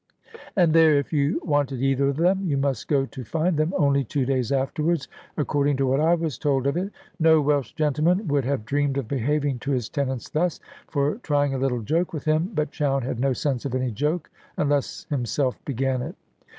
And there, if you wanted either of them, you must go to find them, only two days afterward, according to what I was told of it. No Welsh gentleman would have dreamed of behaving to his tenants thus, for trying a little joke with him; but Chowne had no sense of any joke, unless himself began it.